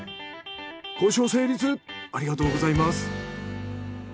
交渉成立ありがとうございます。